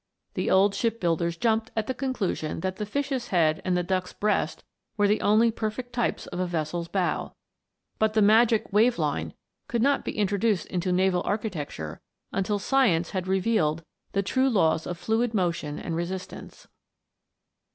The old ship builders jumped at the conclusion that the fish's head and the duck's breast were the only perfect types of a vessel's bow; but the magical wave line could not be introduced into naval architecture until science had revealed the true laws of fluid motion and resistance.